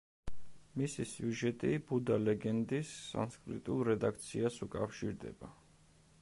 მისი სიუჟეტი ბუდა ლეგენდის სანსკრიტულ რედაქციას უკავშირდება.